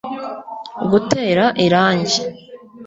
gutera irangi